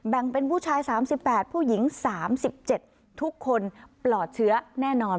แบ่งเป็นผู้ชาย๓๘ผู้หญิง๓๗ทุกคนปลอดเชื้อแน่นอน